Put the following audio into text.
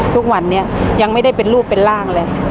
ทุกวันนี้ยังไม่ได้เป็นรูปเป็นร่างเลย